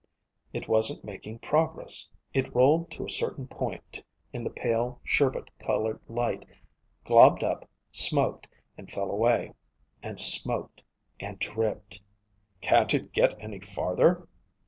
It wasn't making progress. It rolled to a certain point in the pale, sherbert colored light, globbed up, smoked, and fell away. And smoked. And dripped. "Can't it get any farther?"